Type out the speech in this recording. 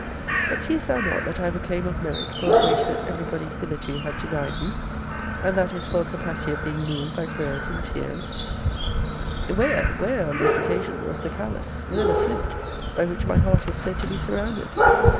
But seest thou not that I have a claim of merit for a grace that every body hitherto had denied me? and that is for a capacity of being moved by prayers and tears Where, where, on this occasion, was the callous, where the flint, by which my heart was said to be surrounded?